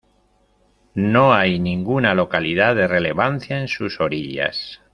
No hay ninguna localidad de relevancia en sus orillas.